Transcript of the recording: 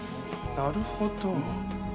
なるほど。